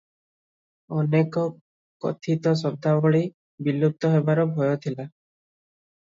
ଅନେକ କଥିତ ଶବ୍ଦାବଳୀ ବିଲୁପ୍ତ ହେବାର ଭୟ ଥିଲା ।